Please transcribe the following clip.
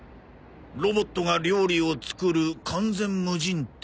「ロボットが料理を作る完全無人店」。